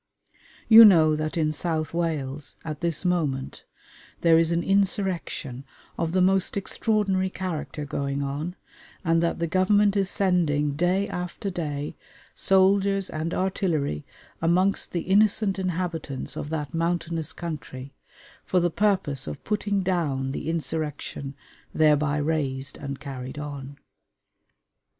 You know that in South Wales, at this moment, there is an insurrection of the most extraordinary character going on, and that the Government is sending, day after day, soldiers and artillery amongst the innocent inhabitants of that mountainous country for the purpose of putting down the insurrection thereby raised and carried on.